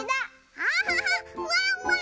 アハハワンワン！